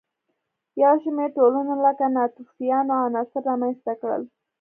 یو شمېر ټولنو لکه ناتوفیانو عناصر رامنځته کړل.